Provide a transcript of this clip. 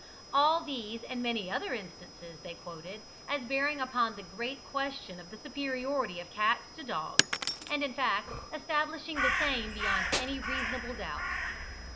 All these, and many other instances, they quoted, as bearing upon the great question of the superiority of cats to dogs, and in fact, establishing the same beyond any reasonable doubt.